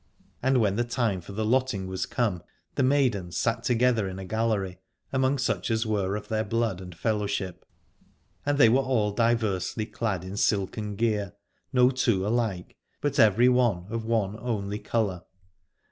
And when the time for the lotting was come, the maidens sat together in a gallery, among such as were of their blood and fellowship : and they were all diversely clad in silken gear, no two alike, but every one of one only colour.